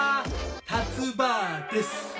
たつ婆です。